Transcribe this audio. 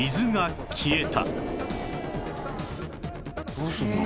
どうするの？